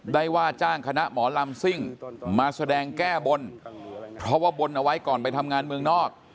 ว่าจ้างคณะหมอลำซิ่งมาแสดงแก้บนเพราะว่าบนเอาไว้ก่อนไปทำงานเมืองนอก